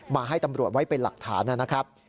มาให้ตำรวจไว้เป็นหลักฐานนะครับ